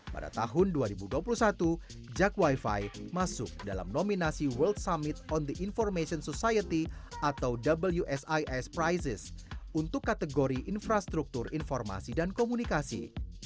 pada tahun dua ribu dua puluh satu jak wifi masuk dalam nominasi world summit on the information society atau wsis prizes untuk kategori infrastruktur informasi dan komunikasi